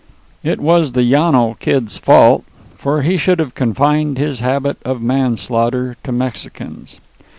It was the Llano Kid's fault, for he should have confined his habit of manslaughter to Mexicans.